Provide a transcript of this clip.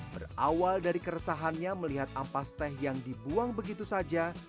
berawal dari keresahannya melihat ampas teh yang dibuang begitu saja